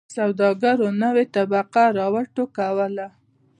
د سوداګرو نوې طبقه را و ټوکوله.